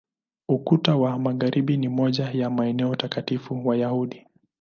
Ukuta wa Magharibi ni moja ya maeneo takatifu Wayahudi.